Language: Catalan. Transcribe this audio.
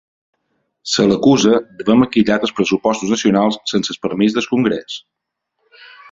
Se l’acusa d’haver maquillat els pressupostos nacionals sense el permís del congrés.